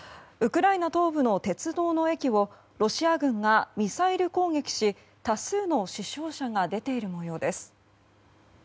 ウクライナ東部の鉄道の駅をロシア軍がミサイル攻撃し、多数の死傷者が出ている模様です。